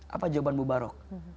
apa jawaban mubarok